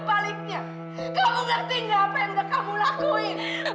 kamu ngerti gak apa yang udah kamu lakuin